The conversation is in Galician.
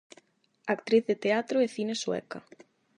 Actriz de teatro e cine sueca.